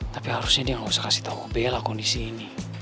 tapi harusnya dia gak usah kasih tau ke bella kondisi ini